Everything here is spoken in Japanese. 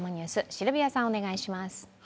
シルビアさんお願いします。